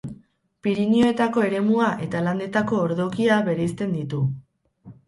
Pirinioetako eremua eta Landetako ordokia bereizten ditu.